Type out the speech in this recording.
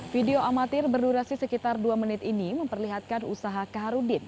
video amatir berdurasi sekitar dua menit ini memperlihatkan usaha kaharudin